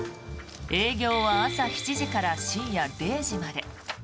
営業は朝７時から深夜０時まで。